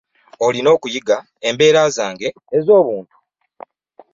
Olina okuyiga embeera zange ez'omu bantu.